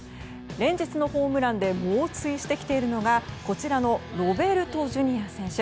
連日のホームランで猛追してきているのがこちらのロベルトＪｒ．選手。